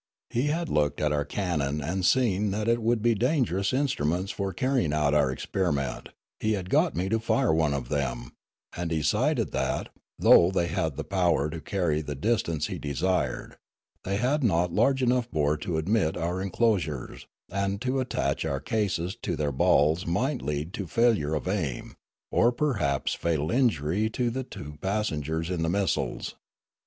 He had looked at our cannon and seen that they would be dangerous 41 6 Riallaro instruments for carrying out our experiment ; he had got me to fire one of them, and decided that, though they had the power to carry the distance he desired, they had not large enough bore to admit of our enclos ures, and to attach our cases to their balls might lead to failure of aim, or perhaps fatal injury to the two passengers in the missiles.